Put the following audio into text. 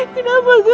jadi jangan ribet